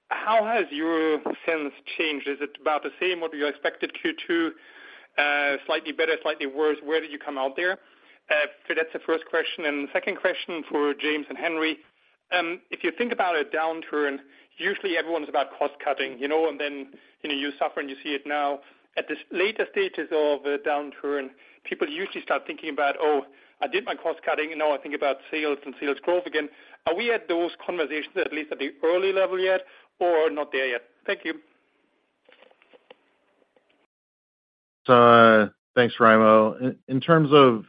how has your sense changed? Is it about the same what you expected second quarter?... slightly better, slightly worse. Where do you come out there? So that's the first question. And the second question for James and Henry. If you think about a downturn, usually everyone's about cost cutting, you know, and then, you know, you suffer, and you see it now. At this later stages of a downturn, people usually start thinking about, "Oh, I did my cost cutting. Now I think about sales and sales growth again." Are we at those conversations, at least at the early level yet or not there yet? Thank you. Thanks, Raimo. In terms of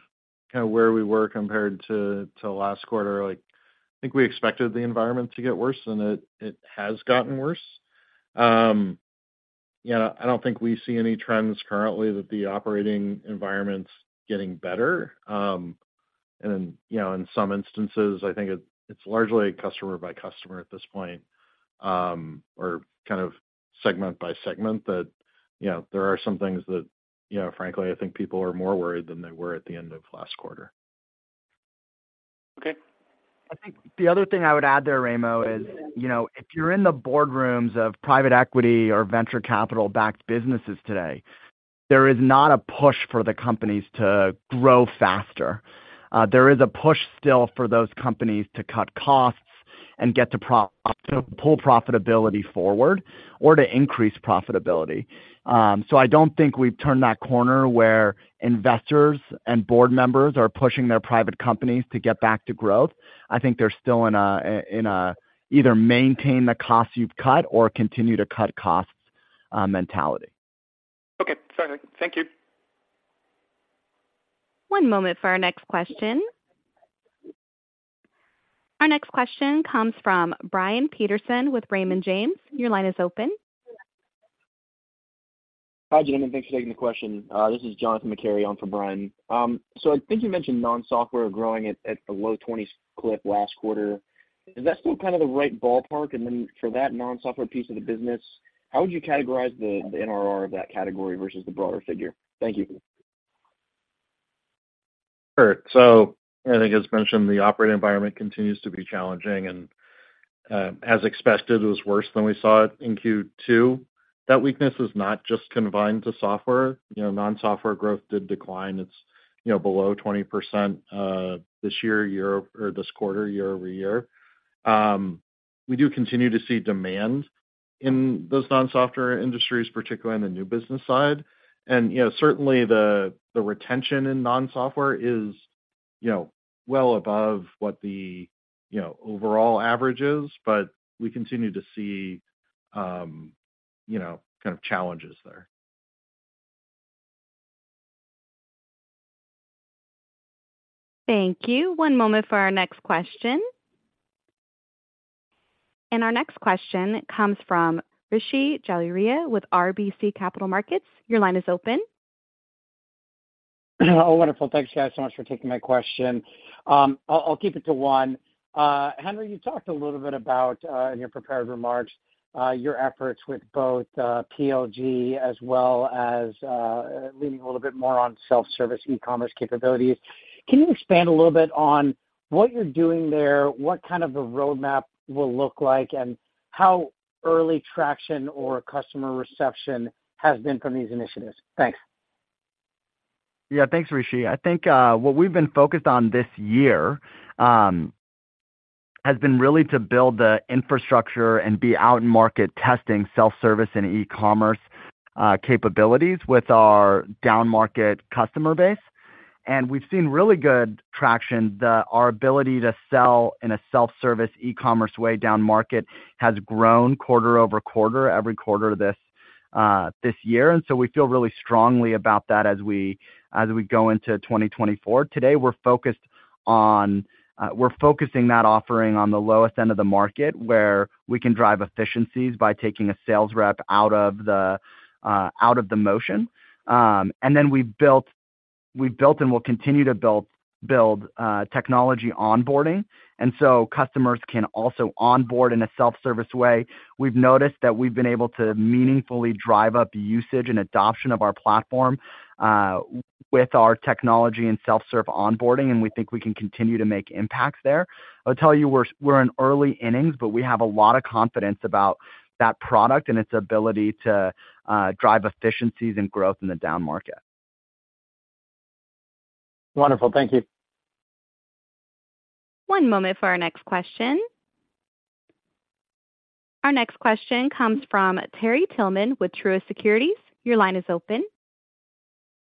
kind of where we were compared to last quarter, like, I think we expected the environment to get worse, and it has gotten worse. Yeah, I don't think we see any trends currently that the operating environment's getting better. And, you know, in some instances, I think it's largely customer by customer at this point, or kind of segment by segment that, you know, there are some things that, you know, frankly, I think people are more worried than they were at the end of last quarter. Okay. I think the other thing I would add there, Raimo, is, you know, if you're in the boardrooms of private equity or venture capital-backed businesses today, there is not a push for the companies to grow faster. There is a push still for those companies to cut costs and get to pull profitability forward or to increase profitability. So I don't think we've turned that corner where investors and board members are pushing their private companies to get back to growth. I think they're still in a either maintain the costs you've cut or continue to cut costs mentality. Okay. Perfect. Thank you. One moment for our next question. Our next question comes from Brian Peterson with Raymond James. Your line is open. Hi, gentlemen, thanks for taking the question. This is Jonathan MacCary on for Brian. So I think you mentioned non-software growing at a low twenties clip last quarter. Is that still kind of the right ballpark? And then for that non-software piece of the business, how would you categorize the NRR of that category versus the broader figure? Thank you. Sure. So I think, as mentioned, the operating environment continues to be challenging, and, as expected, it was worse than we saw it in second quarter. That weakness is not just confined to software. You know, non-software growth did decline. It's, you know, below 20%, this year, year-- or this quarter, year-over-year. We do continue to see demand in those non-software industries, particularly on the new business side. And, you know, certainly the, the retention in non-software is, you know, well above what the, you know, overall average is, but we continue to see, you know, kind of challenges there. Thank you. One moment for our next question. Our next question comes from Rishi Jaluria with RBC Capital Markets. Your line is open. Oh, wonderful. Thanks, guys, so much for taking my question. I'll keep it to one. Henry, you talked a little bit about, in your prepared remarks, your efforts with both, PLG, as well as, leaning a little bit more on self-service e-commerce capabilities. Can you expand a little bit on what you're doing there, what kind of the roadmap will look like, and how early traction or customer reception has been from these initiatives? Thanks. Yeah, thanks, Rishi. I think what we've been focused on this year has been really to build the infrastructure and be out in market testing self-service and e-commerce capabilities with our downmarket customer base. And we've seen really good traction. Our ability to sell in a self-service e-commerce way downmarket has grown quarter over quarter, every quarter this year. And so we feel really strongly about that as we go into 2024. Today, we're focusing that offering on the lowest end of the market, where we can drive efficiencies by taking a sales rep out of the motion. And then we've built and will continue to build technology onboarding, and so customers can also onboard in a self-service way. We've noticed that we've been able to meaningfully drive up usage and adoption of our platform, with our technology and self-serve onboarding, and we think we can continue to make impacts there. I'll tell you, we're in early innings, but we have a lot of confidence about that product and its ability to drive efficiencies and growth in the downmarket. Wonderful. Thank you. One moment for our next question. Our next question comes from Terry Tillman with Truist Securities. Your line is open.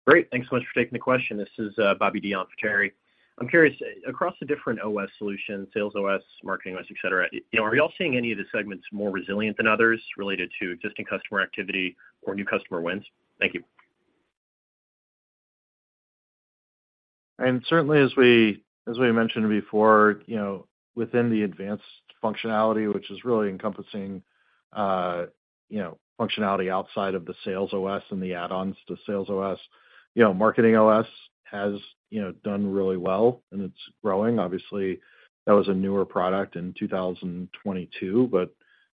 Great. Thanks so much for taking the question. This is, Bobby Dion for Terry. I'm curious, across the different OS solutions, Sales OS, Marketing OS, et cetera, you know, are y'all seeing any of the segments more resilient than others related to existing customer activity or new customer wins? Thank you. And certainly, as we, as we mentioned before, you know, within the advanced functionality, which is really encompassing, you know, functionality outside of the Sales OS and the add-ons to Sales OS, you know, Marketing OS has, you know, done really well, and it's growing. Obviously, that was a newer product in 2022, but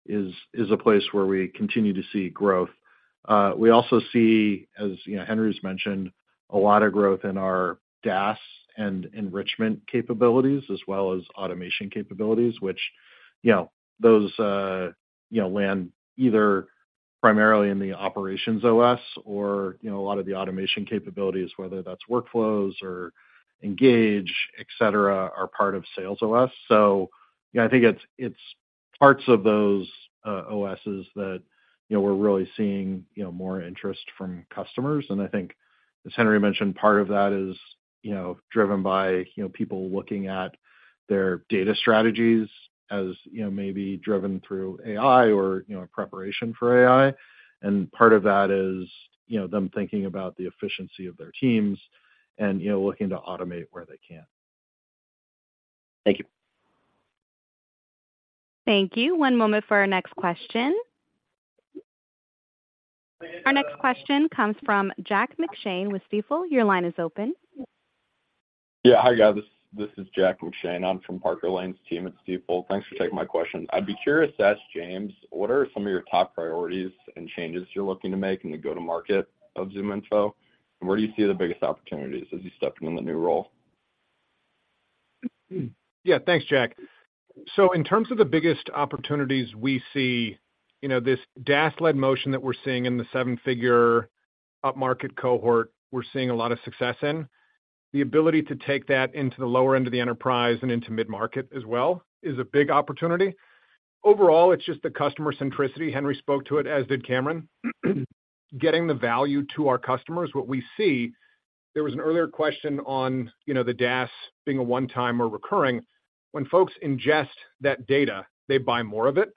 is, is a place where we continue to see growth. We also see, as, you know, Henry has mentioned-... A lot of growth in our DaaS and enrichment capabilities as well as automation capabilities, which, you know, those land either primarily in the Operations OS or, you know, a lot of the automation capabilities, whether that's workflows or Engage, et cetera, are part of Sales OS. So yeah, I think it's parts of those OSs that, you know, we're really seeing, you know, more interest from customers. And I think as Henry mentioned, part of that is, you know, driven by, you know, people looking at their data strategies as, you know, maybe driven through AI or, you know, preparation for AI. And part of that is, you know, them thinking about the efficiency of their teams and, you know, looking to automate where they can. Thank you. Thank you. One moment for our next question. Our next question comes from Jack McShane with Stifel. Your line is open. Yeah. Hi, guys. This, this is Jack McShane. I'm from Parker Lane's team at Stifel. Thanks for taking my question. I'd be curious to ask James, what are some of your top priorities and changes you're looking to make in the go-to-market of ZoomInfo, and where do you see the biggest opportunities as you step into the new role? Yeah, thanks, Jack. So in terms of the biggest opportunities we see, you know, this DaaS-led motion that we're seeing in the seven-figure upmarket cohort, we're seeing a lot of success in. The ability to take that into the lower end of the enterprise and into mid-market as well is a big opportunity. Overall, it's just the customer centricity. Henry spoke to it, as did Cameron. Getting the value to our customers. What we see, there was an earlier question on, you know, the DaaS being a one-time or recurring. When folks ingest that data, they buy more of it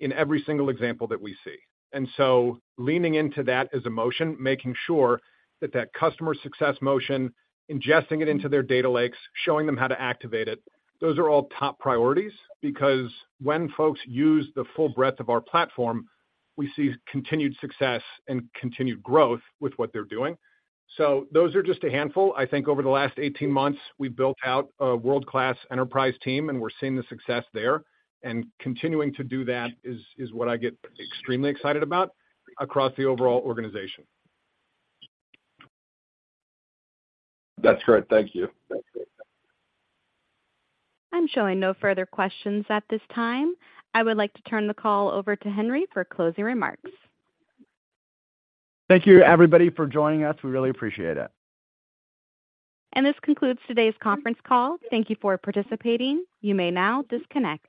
in every single example that we see. And so leaning into that as a motion, making sure that that customer success motion, ingesting it into their data lakes, showing them how to activate it, those are all top priorities, because when folks use the full breadth of our platform, we see continued success and continued growth with what they're doing. So those are just a handful. I think over the last 18 months, we've built out a world-class enterprise team, and we're seeing the success there. And continuing to do that is, is what I get extremely excited about across the overall organization. That's great. Thank you. I'm showing no further questions at this time. I would like to turn the call over to Henry for closing remarks. Thank you, everybody, for joining us. We really appreciate it. This concludes today's conference call. Thank you for participating. You may now disconnect.